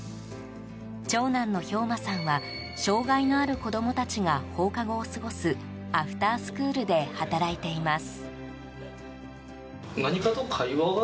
長男の彪真さんは障害のある子供たちが放課後を過ごすアフタースクールで働いています。